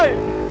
wah ini lagi